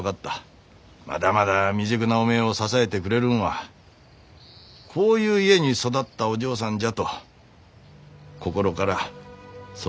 まだまだ未熟なおめえを支えてくれるんはこういう家に育ったお嬢さんじゃと心からそねえに思えた。